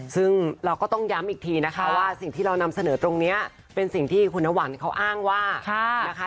ซึ่งเราก็ต้องย้ำอีกทีนะคะว่าสิ่งที่เรานำเสนอตรงนี้เป็นสิ่งที่คุณนหวันเขาอ้างว่านะคะ